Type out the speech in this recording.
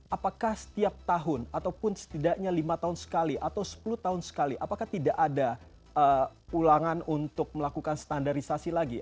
apakah setiap tahun ataupun setidaknya lima tahun sekali atau sepuluh tahun sekali apakah tidak ada ulangan untuk melakukan standarisasi lagi